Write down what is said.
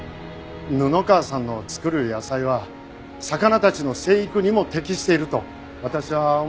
布川さんの作る野菜は魚たちの生育にも適していると私は思ってるんです。